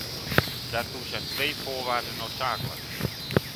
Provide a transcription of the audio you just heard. Daartoe zijn twee voorwaarden noodzakelijk.